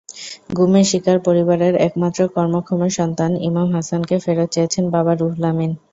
গুমের শিকার পরিবারের একমাত্র কর্মক্ষম সন্তান ইমাম হাসানকে ফেরত চেয়েছেন বাবা রুহুল আমিন।